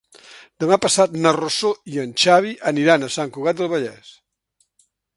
Demà passat na Rosó i en Xavi aniran a Sant Cugat del Vallès.